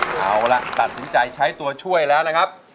เอาล่ะตัดสินใจใช้ตัวช่วยแล้วนะครับ